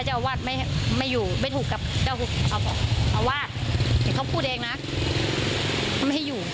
เจ้าวาดไม่ไม่อยู่ไม่ถูกกับเจ้าวาดเดี๋ยวเขาพูดเองน่ะไม่ให้อยู่